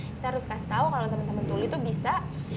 kita harus kasih tahu kalau teman teman tuli tuh bisa